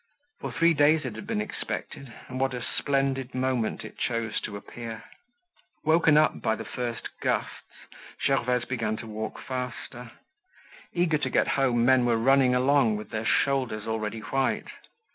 For three days it had been expected and what a splendid moment it chose to appear. Woken up by the first gusts, Gervaise began to walk faster. Eager to get home, men were running along, with their shoulders already white.